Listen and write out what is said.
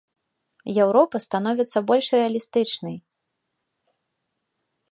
Еўропа становіцца больш рэалістычнай.